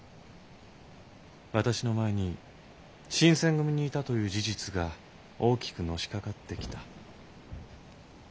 私の前に新選組にいたという事実が大きくのしかかってきた。